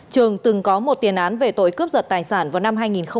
trường từng có một tiền án về tội cướp giật tài sản vào năm hai nghìn một mươi